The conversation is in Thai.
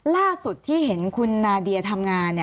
ล่าสุดที่เห็นคุณนาเดียทำงาน